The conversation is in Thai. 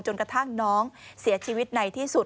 กระทั่งน้องเสียชีวิตในที่สุด